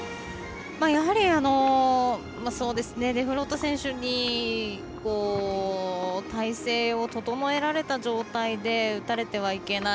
やはり、デフロート選手に体勢を整えられた状態で打たれてはいけない。